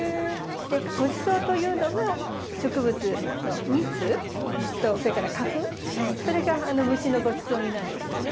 ごちそうというのが植物の蜜とそれから花粉それが虫のごちそうになるんですね。